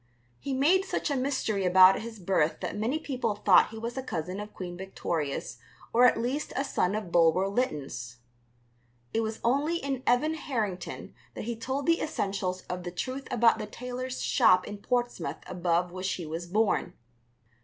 He made such a mystery about his birth that many people thought he was a cousin of Queen Victoria's or at least a son of Bulwer Lytton's. It was only in Evan Harrington that he told the essentials of the truth about the tailor's shop in Portsmouth above which he was born.